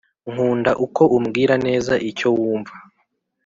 nkunda uko umbwira neza icyo wumva